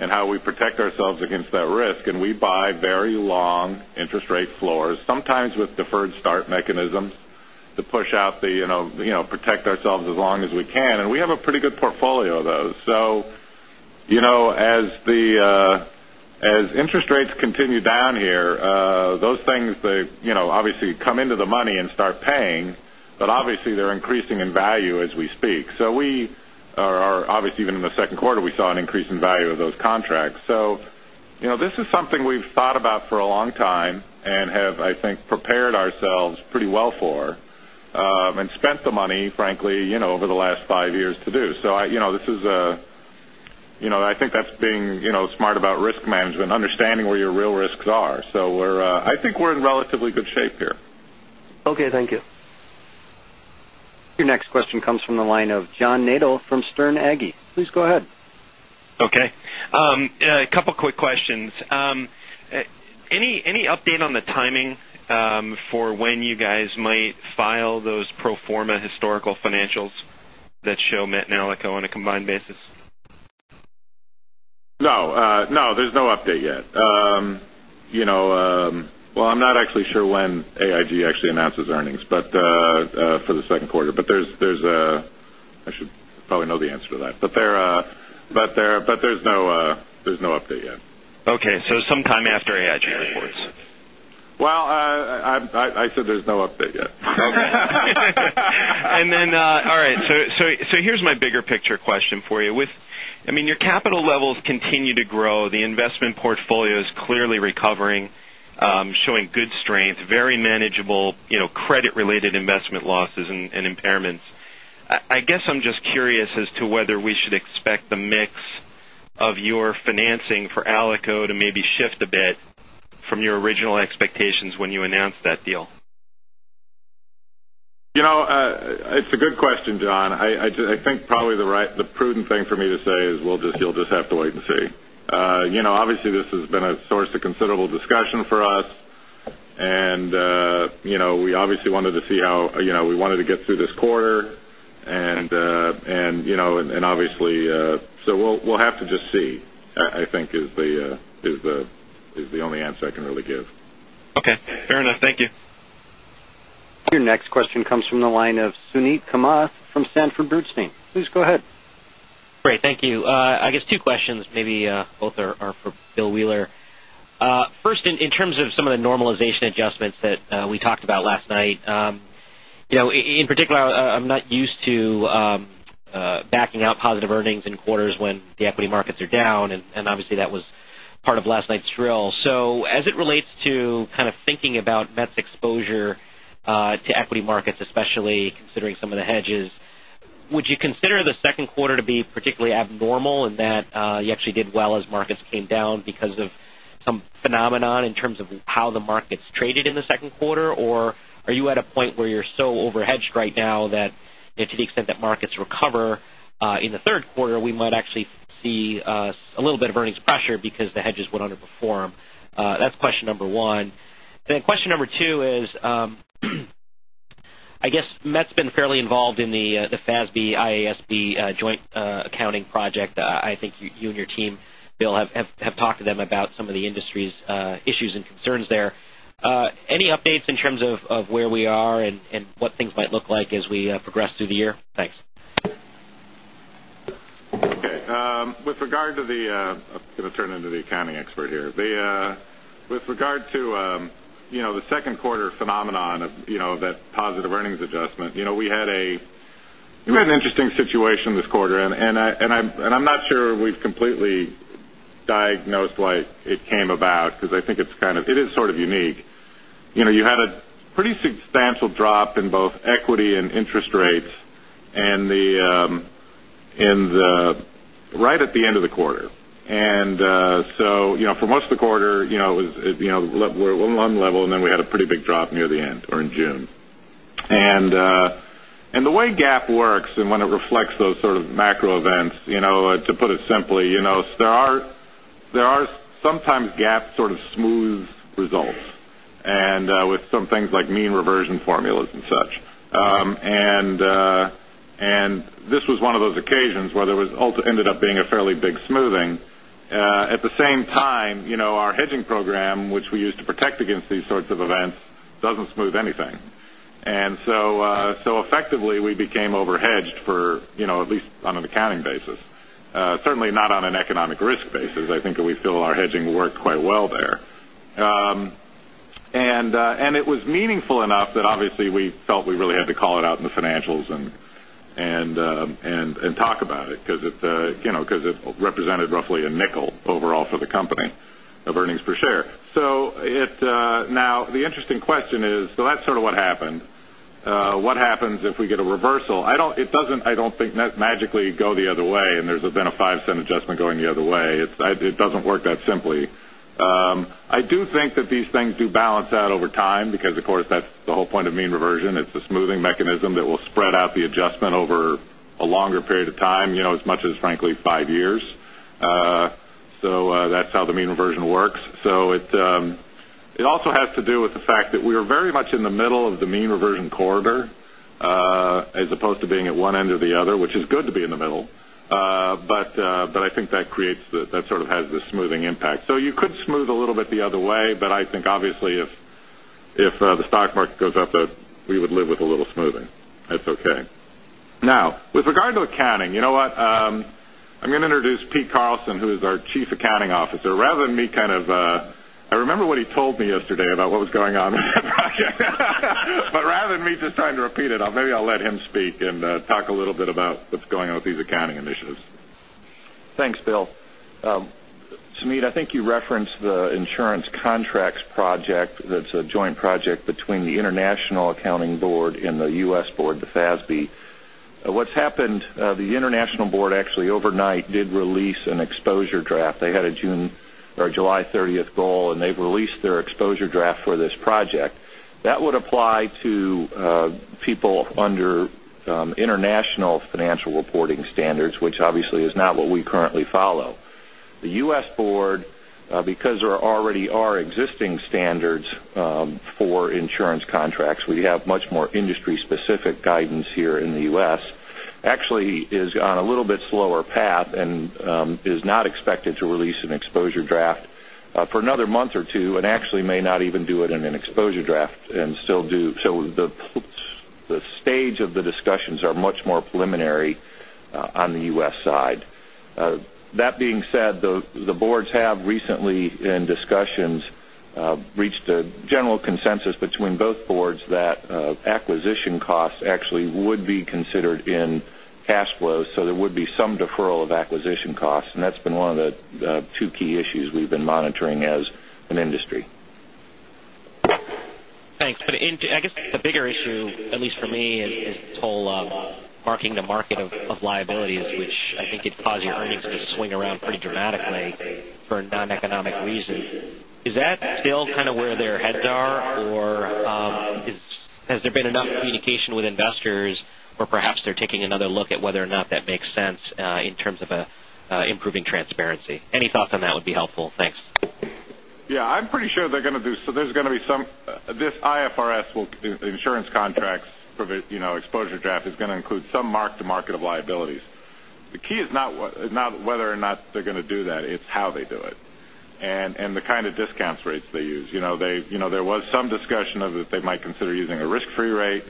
and how we protect ourselves against that risk. We buy very long interest rate floors, sometimes with deferred start mechanisms to push out, protect ourselves as long as we can. We have a pretty good portfolio of those. As interest rates continue down here, those things obviously come into the money and start paying, but obviously they're increasing in value as we speak. Obviously even in the second quarter, we saw an increase in value of those contracts. This is something we've thought about for a long time and have, I think, prepared ourselves pretty well for, and spent the money, frankly, over the last five years to do. I think that's being smart about risk management, understanding where your real risks are. I think we're in relatively good shape here. Okay. Thank you. Your next question comes from the line of John Nadel from Sterne Agee. Please go ahead. Okay. A couple quick questions. Any update on the timing for when you guys might file those pro forma historical financials that show MetLife on a combined basis? No. There's no update yet. Well, I'm not actually sure when AIG actually announces earnings for the second quarter. I should probably know the answer to that. There's no update yet. Okay. Sometime after AIG reports. Well, I said there's no update yet. Okay. All right. Here's my bigger picture question for you. Your capital levels continue to grow. The investment portfolio is clearly recovering. Showing good strength, very manageable credit-related investment losses and impairments. I guess I'm just curious as to whether we should expect the mix of your financing for Alico to maybe shift a bit from your original expectations when you announced that deal. It's a good question, John. I think probably the prudent thing for me to say is you'll just have to wait and see. Obviously, this has been a source of considerable discussion for us, and we obviously wanted to get through this quarter. We'll have to just see, I think is the only answer I can really give. Okay. Fair enough. Thank you. Your next question comes from the line of Suneet Kamath from Sanford Bernstein. Please go ahead. Great. Thank you. I guess two questions, maybe both are for Bill Wheeler. First, in terms of some of the normalization adjustments that we talked about last night. In particular, I'm not used to backing out positive earnings in quarters when the equity markets are down, and obviously, that was part of last night's drill. As it relates to kind of thinking about Met's exposure to equity markets, especially considering some of the hedges. Would you consider the second quarter to be particularly abnormal in that you actually did well as markets came down because of some phenomenon in terms of how the markets traded in the second quarter? Or are you at a point where you're so over-hedged right now that to the extent that markets recover in the third quarter, we might actually see a little bit of earnings pressure because the hedges would underperform? That's question number one. Question number two is, I guess Met's been fairly involved in the FASB-IASB joint accounting project. I think you and your team, Bill, have talked to them about some of the industry's issues and concerns there. Any updates in terms of where we are and what things might look like as we progress through the year? Thanks. Okay. I'm going to turn it into the accounting expert here. With regard to the second quarter phenomenon of that positive earnings adjustment. We had an interesting situation this quarter, and I'm not sure we've completely diagnosed why it came about because I think it is sort of unique. You had a pretty substantial drop in both equity and interest rates right at the end of the quarter. For most of the quarter, it was on level, we had a pretty big drop near the end or in June. The way GAAP works and when it reflects those sort of macro events, to put it simply, sometimes GAAP sort of smooths results with some things like mean reversion formulas and such. This was one of those occasions where there ended up being a fairly big smoothing. At the same time, our hedging program, which we use to protect against these sorts of events, doesn't smooth anything. Effectively, we became over-hedged at least on an accounting basis. Certainly not on an economic risk basis. I think that we feel our hedging worked quite well there. It was meaningful enough that obviously we felt we really had to call it out in the financials and talk about it because it represented roughly a nickel overall for the company of earnings per share. The interesting question is, that's sort of what happened. What happens if we get a reversal? It doesn't, I don't think, magically go the other way, and there's been a $0.05 adjustment going the other way. It doesn't work that simply. I do think that these things do balance out over time because, of course, that's the whole point of mean reversion. It's a smoothing mechanism that will spread out the adjustment over a longer period of time, as much as, frankly, five years. That's how the mean reversion works. It also has to do with the fact that we are very much in the middle of the mean reversion corridor as opposed to being at one end or the other, which is good to be in the middle. I think that sort of has the smoothing impact. You could smooth a little bit the other way, I think obviously if the stock market goes up, we would live with a little smoothing. That's okay. With regard to accounting, you know what? I'm going to introduce Peter Carlson, who is our Chief Accounting Officer rather than me. I remember what he told me yesterday about what was going on. Rather than me just trying to repeat it, maybe I'll let him speak and talk a little bit about what's going on with these accounting initiatives. Thanks, Bill. Suneet, I think you referenced the insurance contracts project that's a joint project between the International Accounting Standards Board and the U.S. Board, the FASB. What's happened, the International Board actually overnight did release an exposure draft. They had a July 30th goal, They've released their exposure draft for this project. That would apply to people under international financial reporting standards, which obviously is not what we currently follow. The U.S. Board because there already are existing standards for insurance contracts, we have much more industry-specific guidance here in the U.S., actually is on a little bit slower path and is not expected to release an exposure draft for another month or two, actually may not even do it in an exposure draft. The stage of the discussions are much more preliminary on the U.S. side. That being said, the boards have recently, in discussions, reached a general consensus between both boards that acquisition costs actually would be considered in Cash flows. There would be some deferral of acquisition costs, that's been one of the two key issues we've been monitoring as an industry. Thanks. I guess the bigger issue, at least for me, is this whole marking-to-market of liabilities, which I think could cause your earnings to swing around pretty dramatically for non-economic reasons. Is that still kind of where their heads are? Has there been enough communication with investors, or perhaps they're taking another look at whether or not that makes sense in terms of improving transparency? Any thoughts on that would be helpful. Thanks. I'm pretty sure there's going to be some. This IFRS insurance contracts exposure draft is going to include some mark-to-market of liabilities. The key is not whether or not they're going to do that. It's how they do it and the kind of discount rates they use. There was some discussion of that they might consider using a risk-free rate.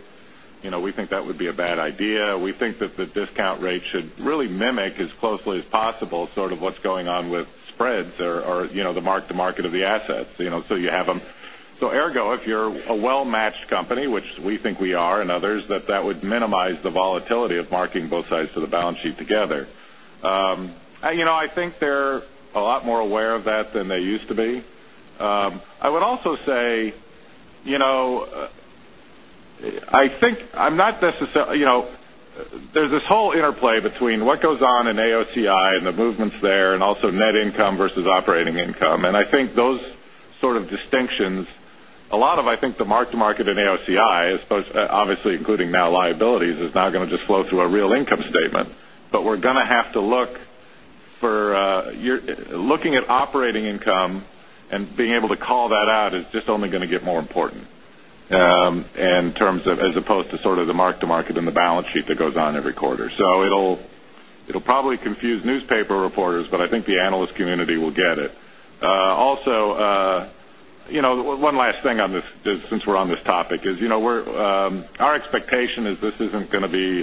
We think that would be a bad idea. We think that the discount rate should really mimic as closely as possible sort of what's going on with spreads or the mark-to-market of the assets so you have them. Ergo, if you're a well-matched company, which we think we are, and others, that would minimize the volatility of marking both sides of the balance sheet together. I think they're a lot more aware of that than they used to be. There's this whole interplay between what goes on in AOCI and the movements there and also net income versus operating income. I think those sort of distinctions, a lot of the mark-to-market in AOCI, obviously including now liabilities, is now going to just flow through a real income statement. We're going to have to look at operating income, and being able to call that out is just only going to get more important as opposed to sort of the mark-to-market and the balance sheet that goes on every quarter. It'll probably confuse newspaper reporters, but I think the analyst community will get it. Also, one last thing since we're on this topic is our expectation is this isn't going to be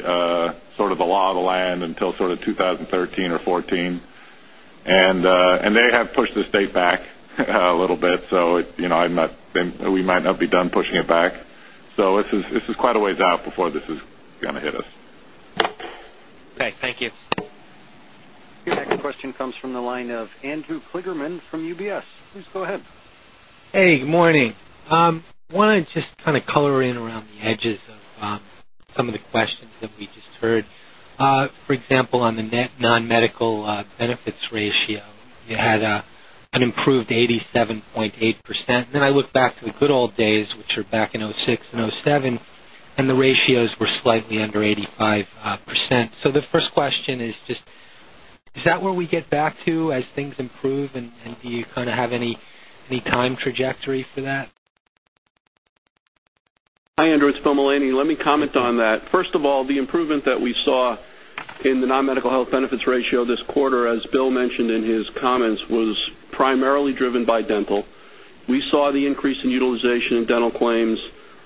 sort of the law of the land until sort of 2013 or 2014. They have pushed this date back a little bit, so we might not be done pushing it back. This is quite a ways out before this is going to hit us. Okay. Thank you. Your next question comes from the line of Andrew Kligerman from UBS. Please go ahead. Hey, good morning. I want to just kind of color in around the edges of some of the questions that we just heard. For example, on the net non-medical benefits ratio, you had an improved 87.8%. I look back to the good old days, which were back in 2006 and 2007, and the ratios were slightly under 85%. The first question is just, is that where we get back to as things improve, and do you kind of have any time trajectory for that? Hi, Andrew. It's Bill Mullaney. Let me comment on that. First of all, the improvement that we saw in the non-medical health benefits ratio this quarter, as Bill mentioned in his comments, was primarily driven by dental. We saw the increase in utilization in dental claims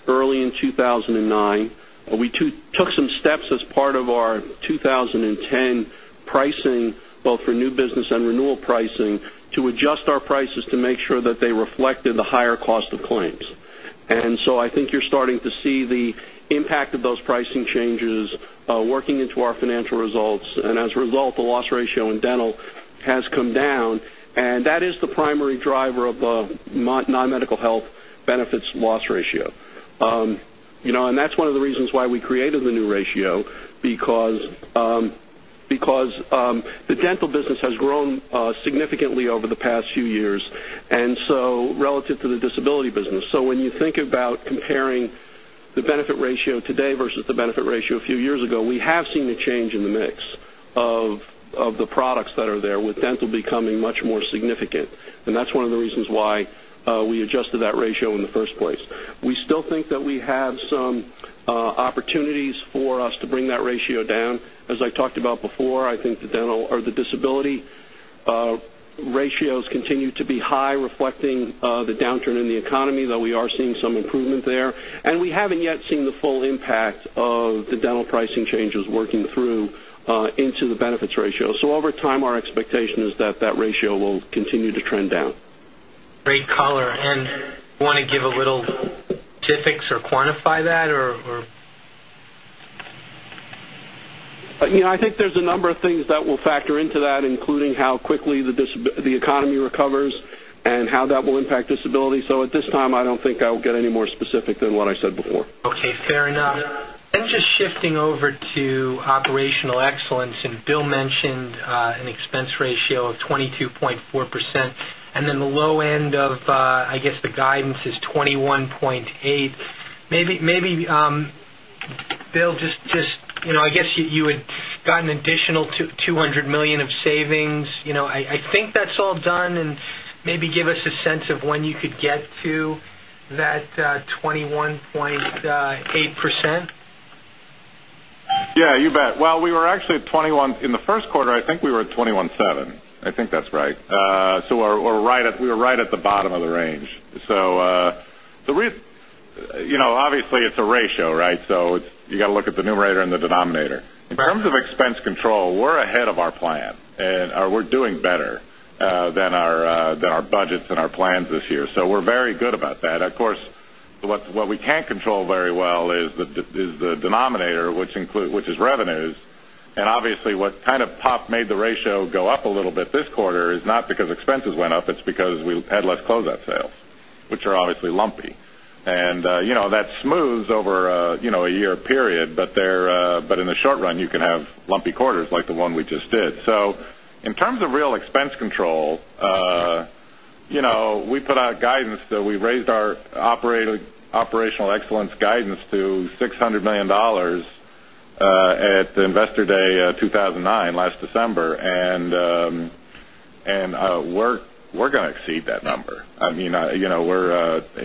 early in 2009. We took some steps as part of our 2010 pricing, both for new business and renewal pricing, to adjust our prices to make sure that they reflected the higher cost of claims. I think you're starting to see the impact of those pricing changes working into our financial results. As a result, the loss ratio in dental has come down, and that is the primary driver of the non-medical health benefits loss ratio. That's one of the reasons why we created the new ratio, because the dental business has grown significantly over the past few years, and so relative to the disability business. When you think about comparing the benefit ratio today versus the benefit ratio a few years ago, we have seen a change in the mix of the products that are there, with dental becoming much more significant. That's one of the reasons why we adjusted that ratio in the first place. We still think that we have some opportunities for us to bring that ratio down. As I talked about before, I think the disability ratios continue to be high, reflecting the downturn in the economy, though we are seeing some improvement there. We haven't yet seen the full impact of the dental pricing changes working through into the benefits ratio. Over time, our expectation is that that ratio will continue to trend down. Great color. Want to give a little specifics or quantify that or? I think there's a number of things that will factor into that, including how quickly the economy recovers and how that will impact disability. At this time, I don't think I will get any more specific than what I said before. Okay, fair enough. Just shifting over to Operational Excellence, Bill mentioned an expense ratio of 22.4%, the low end of, I guess, the guidance is 21.8%. Bill, I guess you had gotten additional $200 million of savings. I think that's all done, give us a sense of when you could get to that 21.8%? Yeah, you bet. In the first quarter, I think we were at 21.7%. I think that's right. We were right at the bottom of the range. Obviously, it's a ratio, right? You got to look at the numerator and the denominator. In terms of expense control, we're ahead of our plan, we're doing better than our budgets and our plans this year. We're very good about that. What we can control very well is the denominator, which is revenues. Obviously what kind of pop made the ratio go up a little bit this quarter is not because expenses went up, it's because we had less close-out sales, which are obviously lumpy. That smooths over a year period. In the short run, you can have lumpy quarters like the one we just did. In terms of real expense control, we put out guidance that we raised our Operational Excellence guidance to $600 million at the Investor Day 2009, last December. We're going to exceed that number.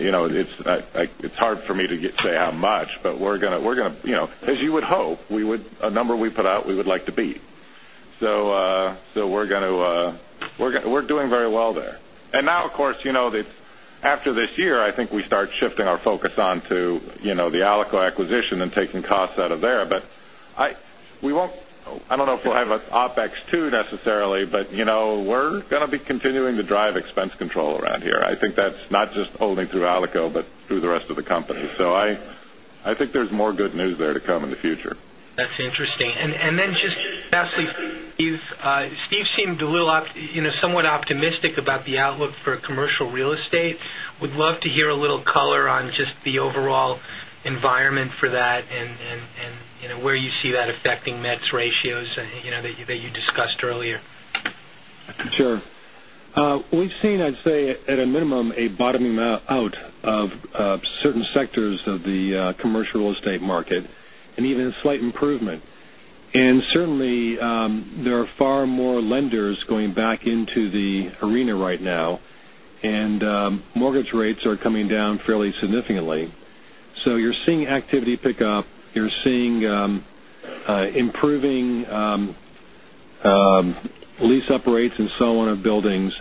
It's hard for me to say how much, but as you would hope, a number we put out, we would like to beat. We're doing very well there. Now, of course, after this year, I think we start shifting our focus onto the Alico acquisition and taking costs out of there. I don't know if we'll have an OpEx 2 necessarily, but we're going to be continuing to drive expense control around here. I think that's not just only through Alico, but through the rest of the company. I think there's more good news there to come in the future. That's interesting. Just lastly, Steve seemed somewhat optimistic about the outlook for commercial real estate. Would love to hear a little color on just the overall environment for that and where you see that affecting Met's ratios, that you discussed earlier. Sure. We've seen, I'd say, at a minimum, a bottoming out of certain sectors of the commercial real estate market and even a slight improvement. Certainly, there are far more lenders going back into the arena right now, and mortgage rates are coming down fairly significantly. You're seeing activity pick up, you're seeing improving lease-up rates and so on of buildings.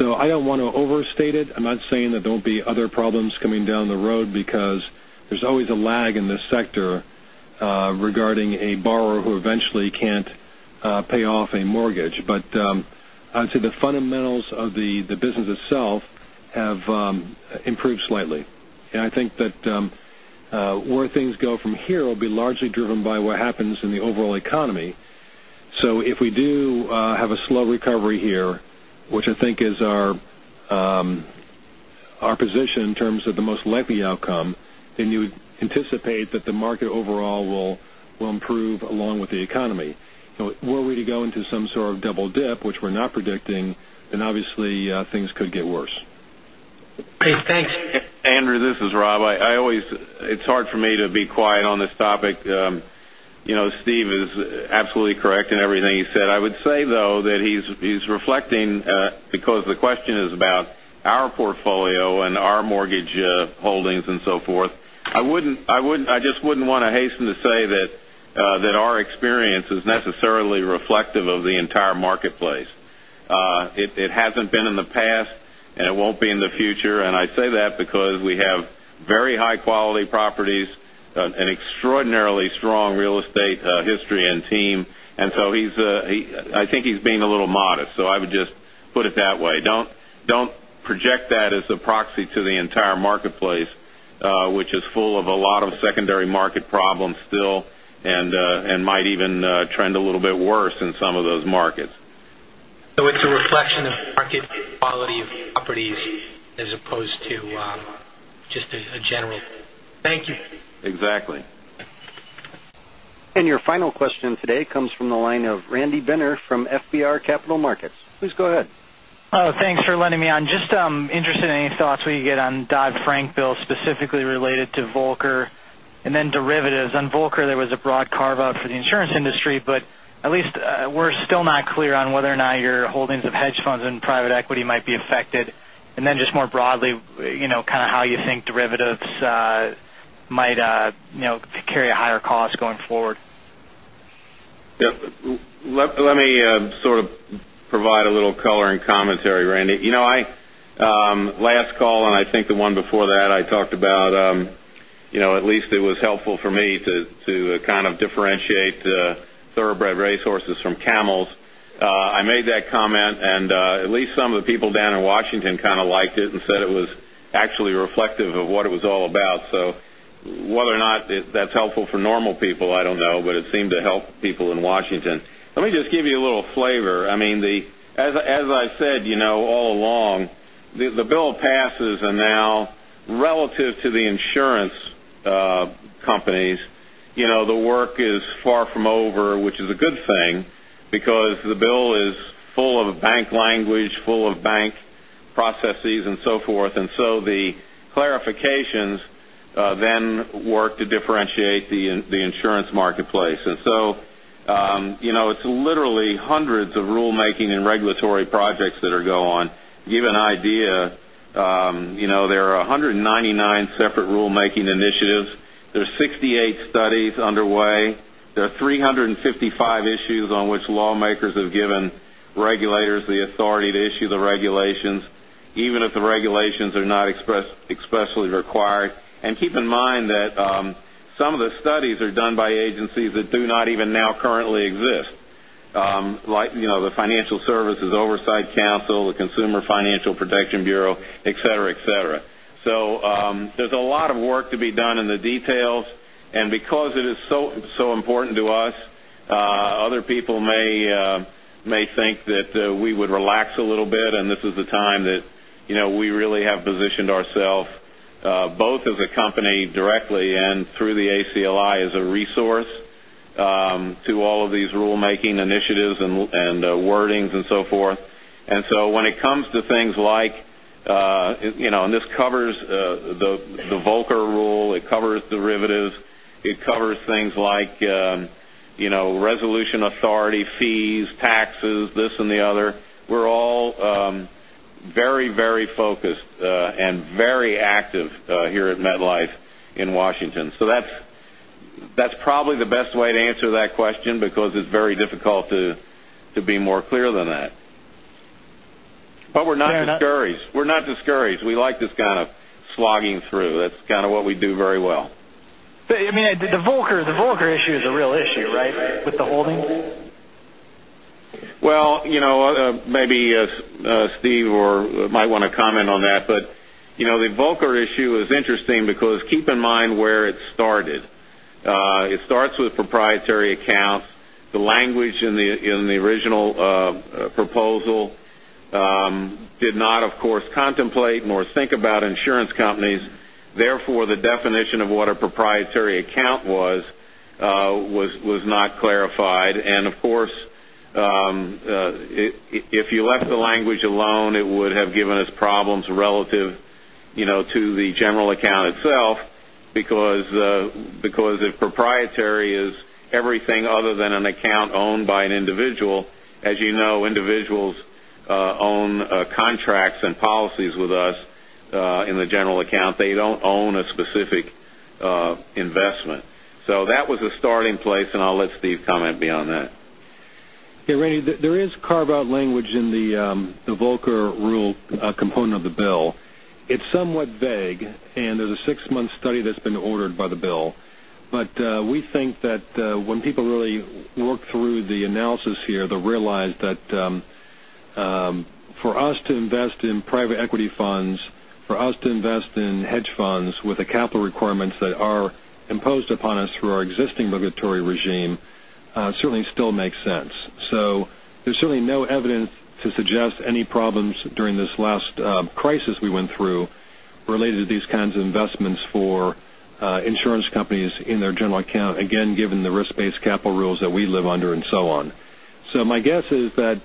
I don't want to overstate it. I'm not saying that there'll be other problems coming down the road because there's always a lag in this sector regarding a borrower who eventually can't pay off a mortgage. I'd say the fundamentals of the business itself have improved slightly. I think that where things go from here will be largely driven by what happens in the overall economy. If we do have a slow recovery here, which I think is our position in terms of the most likely outcome, then you would anticipate that the market overall will improve along with the economy. Were we to go into some sort of double dip, which we're not predicting, then obviously things could get worse. Great. Thanks. Andrew, this is Rob. It's hard for me to be quiet on this topic. Steve is absolutely correct in everything he said. I would say, though, that he's reflecting because the question is about our portfolio and our mortgage holdings and so forth. I just wouldn't want to hasten to say that our experience is necessarily reflective of the entire marketplace. It hasn't been in the past, and it won't be in the future. I say that because we have very high-quality properties, an extraordinarily strong real estate history and team. I think he's being a little modest. I would just put it that way. Don't project that as a proxy to the entire marketplace, which is full of a lot of secondary market problems still and might even trend a little bit worse in some of those markets. It's a reflection of market quality of properties as opposed to just a general. Thank you. Exactly. Your final question today comes from the line of Randy Binner from FBR Capital Markets. Please go ahead. Thanks for letting me on. Just interested in any thoughts we could get on Dodd-Frank bill, specifically related to Volcker and then derivatives. On Volcker, there was a broad carve-out for the insurance industry, but at least we're still not clear on whether or not your holdings of hedge funds and private equity might be affected. Just more broadly, kind of how you think derivatives might carry a higher cost going forward. Let me sort of provide a little color and commentary, Randy. Last call, I think the one before that I talked about at least it was helpful for me to kind of differentiate thoroughbred racehorses from camels. I made that comment, and at least some of the people down in Washington kind of liked it and said it was actually reflective of what it was all about. Whether or not that's helpful for normal people, I don't know, but it seemed to help people in Washington. Let me just give you a little flavor. As I said all along, the bill passes, and now relative to the insurance companies, the work is far from over, which is a good thing because the bill is full of bank language, full of bank processes, and so forth. The clarifications then work to differentiate the insurance marketplace. It's literally hundreds of rulemaking and regulatory projects that are go on. To give you an idea, there are 199 separate rulemaking initiatives. There's 68 studies underway. There are 355 issues on which lawmakers have given regulators the authority to issue the regulations, even if the regulations are not expressly required. Keep in mind that some of the studies are done by agencies that do not even now currently exist. The Financial Stability Oversight Council, the Consumer Financial Protection Bureau, et cetera. There's a lot of work to be done in the details, and because it is so important to us, other people may think that we would relax a little bit, and this is the time that we really have positioned ourselves, both as a company directly and through the ACLI as a resource to all of these rulemaking initiatives and wordings and so forth. When it comes to things like-- this covers the Volcker Rule, it covers derivatives, it covers things like resolution authority, fees, taxes, this and the other. We're all very focused and very active here at MetLife in Washington. That's probably the best way to answer that question because it's very difficult to be more clear than that. We're not discouraged. We like this kind of slogging through. That's kind of what we do very well. I mean, the Volcker issue is a real issue, right? With the holdings? Well, maybe Steve might want to comment on that. The Volcker issue is interesting because keep in mind where it started. It starts with proprietary accounts. The language in the original proposal did not, of course, contemplate nor think about insurance companies. Therefore, the definition of what a proprietary account was not clarified. Of course, if you left the language alone, it would have given us problems relative to the general account itself because if proprietary is everything other than an account owned by an individual, as you know, individuals own contracts and policies with us in the general account. They don't own a specific investment. That was a starting place, and I'll let Steve comment beyond that. Yeah, Randy, there is carve-out language in the Volcker Rule component of the bill. It's somewhat vague, and there's a six-month study that's been ordered by the bill. We think that when people really work through the analysis here, they'll realize that for us to invest in private equity funds, for us to invest in hedge funds with the capital requirements that are imposed upon us through our existing regulatory regime, certainly still makes sense. There's certainly no evidence to suggest any problems during this last crisis we went through related to these kinds of investments for insurance companies in their general account, again, given the risk-based capital rules that we live under and so on. My guess is that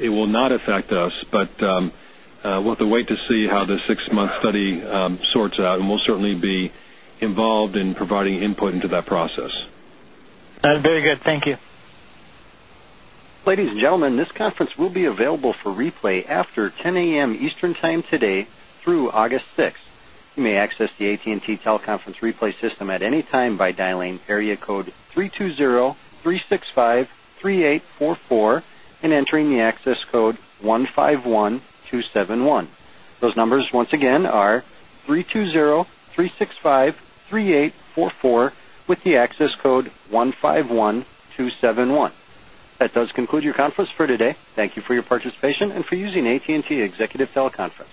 it will not affect us, but we'll have to wait to see how this six-month study sorts out, and we'll certainly be involved in providing input into that process. That's very good. Thank you. Ladies and gentlemen, this conference will be available for replay after 10:00 a.m. Eastern Time today through August 6th. You may access the AT&T teleconference replay system at any time by dialing area code 320-365-3844 and entering the access code 151271. Those numbers once again are 320-365-3844 with the access code 151271. That does conclude your conference for today. Thank you for your participation and for using AT&T Executive Teleconference.